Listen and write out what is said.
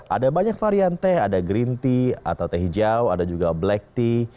ada banyak varian teh ada green tea atau teh hijau ada juga black tea